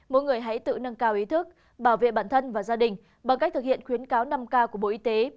mỗi người hãy tự nâng cao ý thức bảo vệ bản thân và gia đình bằng cách thực hiện khuyến cáo năm k của bộ y tế